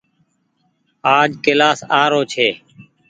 آج ڪيلآش آ رو ڇي۔